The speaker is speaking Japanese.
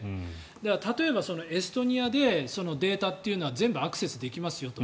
だから例えば、エストニアでデータというのは全部アクセスできますよと。